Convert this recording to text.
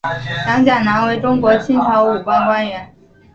杨钾南为中国清朝武官官员。